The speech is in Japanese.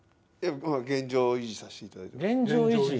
現状維持させていただいて。